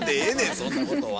そんなことは。